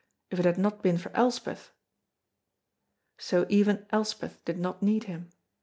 If it had not been for Elspeth So even Elspeth did not need him.